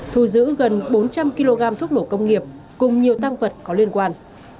thu giữ gần bốn trăm linh kg thuốc nổ công nghiệp cùng nhiều tăng vật có liên quan